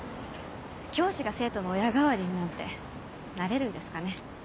教師が生徒の親代わりになんてなれるんですかね。